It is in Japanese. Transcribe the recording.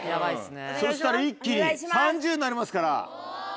そしたら一気に３０になりますから。